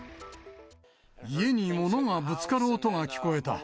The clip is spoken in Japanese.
家に物がぶつかる音が聞こえた。